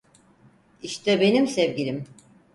İşte benim sevgilim.